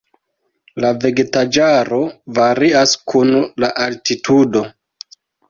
La vegetaĵaro varias kun la altitudo.